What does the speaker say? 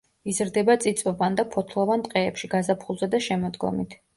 იზრდება წიწვოვან და ფოთლოვან ტყეებში გაზაფხულზე და შემოდგომით.